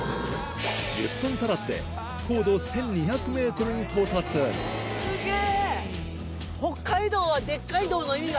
１０分足らずで高度１２００ｍに到達スゲェ！